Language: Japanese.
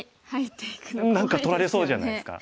何か取られそうじゃないですか。